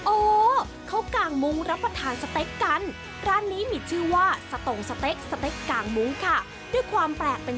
โอ้เขากลางมุ้งรับประทานสเต็กกัน